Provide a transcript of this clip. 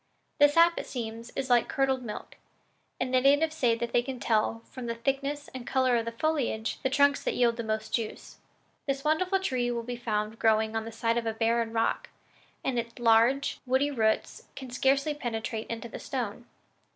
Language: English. The sap, it seems, is like curdled milk, and the natives say that they can tell, from the thickness and color of the foliage, the trunks that yield the most juice. This wonderful tree will be found growing on the side of a barren rock, and its large, woody roots can scarcely penetrate into the stone.